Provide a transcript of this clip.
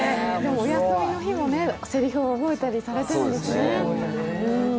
お休みの日もせりふを覚えたりされているんですね。